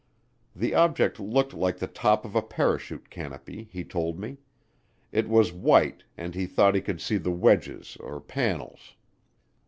The object looked like the top of a parachute canopy, he told me; it was white and he thought he could see the wedges or panels.